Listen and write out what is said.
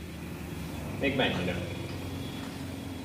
Még mennyire.